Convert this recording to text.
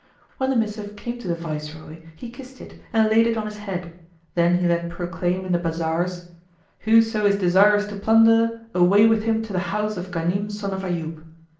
When the missive came to the viceroy, he kissed it and laid it on his head; then he let proclaim in the bazars, "Whoso is desirous to plunder, away with him to the house of Ghanim son of Ayyub."